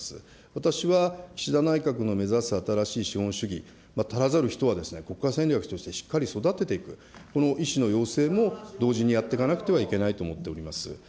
私は岸田内閣の目指す新しい資本主義、足らざる人は国家戦略としてしっかり育てていく、この医師の養成も同時にやっていかなくてはいけないと思っております。